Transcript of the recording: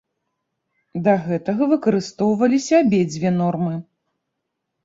Да гэтага выкарыстоўваліся абедзве нормы.